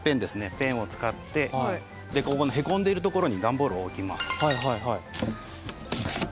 ペンを使ってここのへこんでるところに段ボールを置きます。